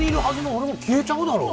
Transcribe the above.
俺も消えちゃうだろう